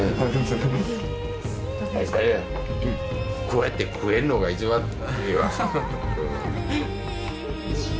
こうやって食えるのが一番いいわ。